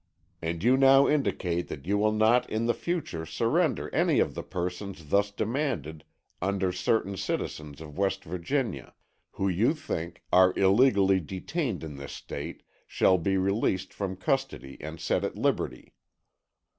And you now indicate that you will not in the future surrender any of the persons thus demanded until certain citizens of West Virginia, who you think, are illegally detained in this State, shall be released from custody and set at liberty.